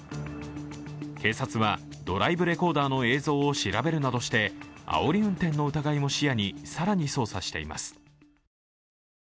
警察はドライブレコーダーの映像を調べるなどしてあおり運転の疑いも視野に更に捜査しています。